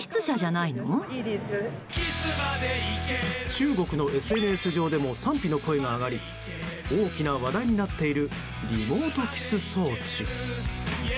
中国のＳＮＳ上でも賛否の声が上がり大きな話題になっているリモートキス装置。